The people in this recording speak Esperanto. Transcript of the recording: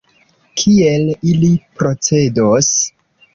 Kiel ili procedos?